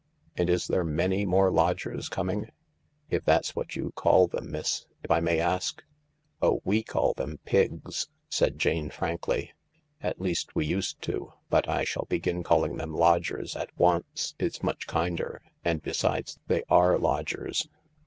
And is there many more lodgers coming— if that's what you call them, miss, if I may ask ?"" Oh, we call them Pigs," said Jane frankly ;" at least, we used to, but I shall begin calling them lodgers at once. It's much lander— and besides, they are lodgers."